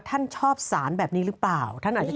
ว่าท่านชอบสารแบบนี้หรือเปล่า